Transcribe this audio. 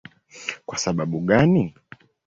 Kwa sababu gani?